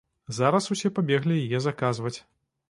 Зараз усе пабеглі яе заказваць.